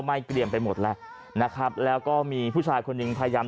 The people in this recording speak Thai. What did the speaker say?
เกลี่ยมไปหมดแล้วนะครับแล้วก็มีผู้ชายคนหนึ่งพยายาม